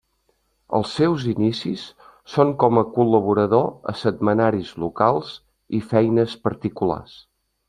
Els seus inicis són com a col·laborador a setmanaris locals i feines particulars.